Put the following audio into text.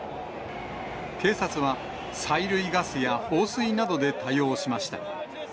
警察は、催涙ガスや放水などで対応しました。